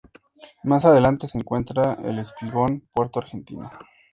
Más adelante se encuentra el Espigón "Puerto Argentino".